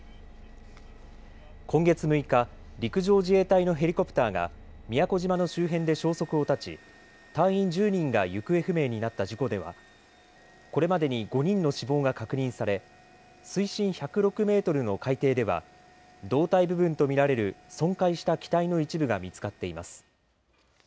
今月６日陸上自衛隊のヘリコプターが宮古島の周辺で消息を絶ち隊員１０人が行方不明になった事故ではこれまでに５人の死亡が確認され水深１０６メートルの海底では胴体部分とみられる損壊した機体の一部が見つかっています。